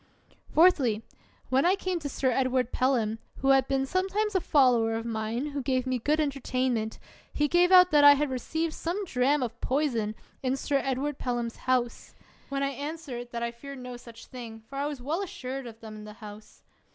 Fourthly, when I came to Sir Edward Pelham, who had been sometimes a follower of mine, who gave me good entertainment, he gave out that I had received some dram of poison in Sir Ed ward Pelham 's house; when I answered that I feared no such thing— for I was well assured of them in the house.